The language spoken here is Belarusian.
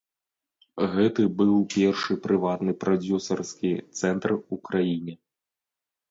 Гэты быў першы прыватны прадзюсарскі цэнтр у краіне.